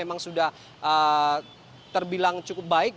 memang sudah terbilang cukup baik